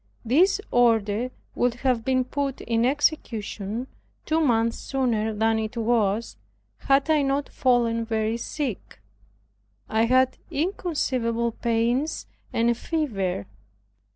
This order would have been put in execution two months sooner than it was, had I not fallen very sick. I had inconceivable pains and a fever.